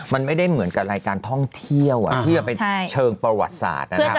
มันไม่ได้เหมือนกับรายการท่องเที่ยวที่จะไปเชิงประวัติศาสตร์นะครับ